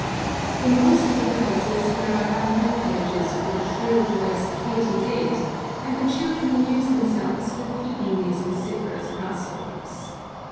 In most of the houses there are bamboo cages for "the shrill voiced Katydid," and the children amuse themselves with feeding these vociferous grasshoppers.